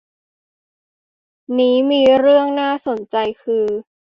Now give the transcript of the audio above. นี้มีเรื่องที่น่าสนใจคือ